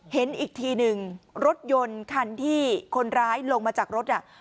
เห็นอีกทีหนึ่งรถยนต์คันที่คนร้ายลงมาจากรถน่ะ